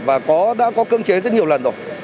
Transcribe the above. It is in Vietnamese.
và đã có cưỡng chế rất nhiều lần rồi